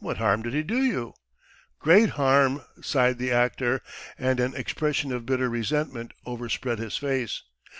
"What harm did he do you?" "Great harm," sighed the actor, and an expression of bitter resentment overspread his face.